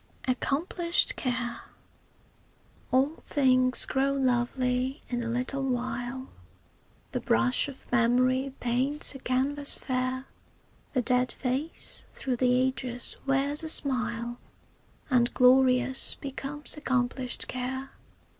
ACCOMPLISHED CARE All things grow lovely in a little while, The brush of memory paints a canvas fair; The dead face through the ages wears a smile, And glorious becomes accomplished care.